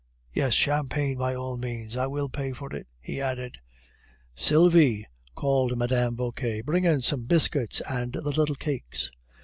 Yes, champagne, by all means; I will pay for it," he added. "Sylvie," called Mme. Vauquer, "bring in some biscuits, and the little cakes."